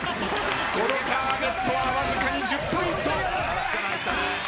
このターゲットはわずかに１０ポイント。